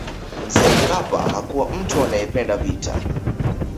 mzee mkapa hakuwa mtu anayependa vita